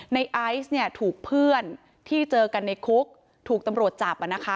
ไอซ์เนี่ยถูกเพื่อนที่เจอกันในคุกถูกตำรวจจับ